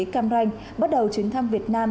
cam ranh bắt đầu chuyến thăm việt nam